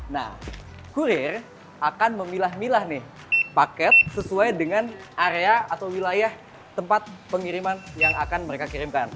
nah kurir akan memilah milah nih paket sesuai dengan area atau wilayah tempat pengiriman yang akan mereka kirimkan